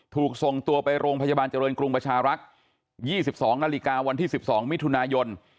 ถูกส่งตัวไปโรงพยาบาลเจริญกรุงประชารักษ์๒๒นาฬิกาวันที่๑๒มิถุนายน